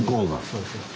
そうですね。